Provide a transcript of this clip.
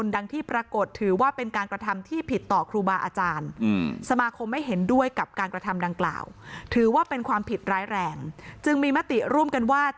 ใดที่แสดงออกถึงพฤติกรรม